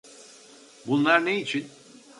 Bunlar ne için?